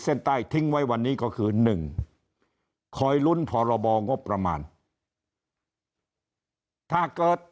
เส้นใต้ทิ้งไว้วันนี้ก็คือ๑คอยลุ้นพรบงบประมาณถ้าเกิด